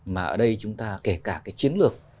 mà ở đây chúng ta kể cả cái chiến lược